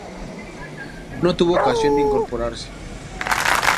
No tuvo ocasión de incorporarse.